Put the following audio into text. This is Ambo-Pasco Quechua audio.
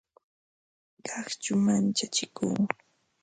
Qaqchu manchachiku